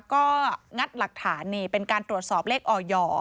ก็งัดหลักฐานนี่เป็นการตรวจสอบเลขออย